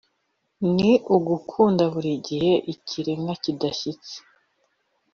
ni ugukunda buri gihe ikiremwa kidashyitse